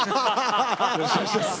よろしくお願いします。